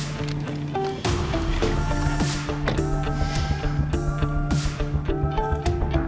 riki ti jalan ya